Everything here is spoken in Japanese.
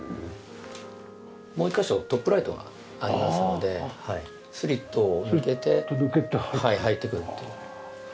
もう１カ所トップライトがありますのでスリットを抜けて入ってくるっていう。